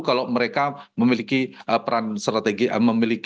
kalau mereka memiliki posisi strategis dan persis publik